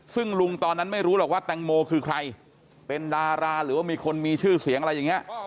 ซึ่งลุงตอนนั้นไม่รู้หรอกว่าแตงโมคือใครเป็นดาราหรือว่ามีคนมีชื่อเสียงอะไรอย่างนี้